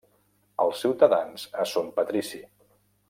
Els ciutadans a son patrici.